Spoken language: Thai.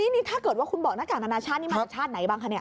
นี่ถ้าเกิดว่าคุณบอกหน้ากากอนาชาตินี่มาจากชาติไหนบ้างคะเนี่ย